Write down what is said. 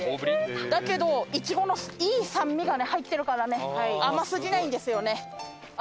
だけどイチゴのいい酸味がね入ってるからね甘すぎないんですよね。